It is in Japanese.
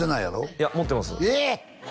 いや持ってますえ！